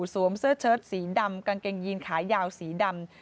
เสื้อเชิดสีดำกางเกงยีนขายาวสีดำ